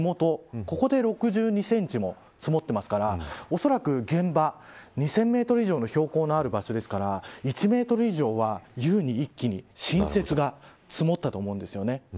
ここで６２センチも積もってますからおそらく、現場２０００メートル以上の標高のある場所ですから１メートル以上ゆうに新雪が積もったと思うんですよね。